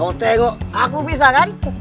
ah diam diam diam